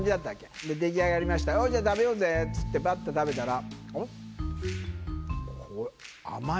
出来上がりました「じゃあ食べようぜ」っつってバって食べたら「あれ？これ」。